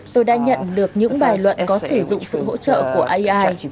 tôi đã nhận được những bài luận có sử dụng sự hỗ trợ của ai